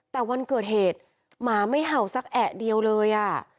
แต่วันเกิดเหตุหมาไม่เห่าสักแอะเดียวเลยอ่ะ